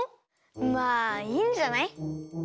まあいいんじゃない？